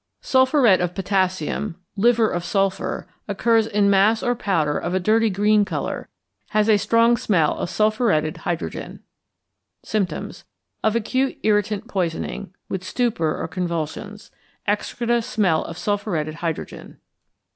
=Sulphuret of Potassium= (liver of sulphur) occurs in mass or powder of a dirty green colour; has a strong smell of sulphuretted hydrogen. Symptoms. Of acute irritant poisoning, with stupor or convulsions. Excreta smell of sulphuretted hydrogen.